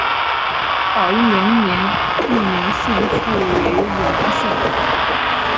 宝应元年豫宁县复为武宁县。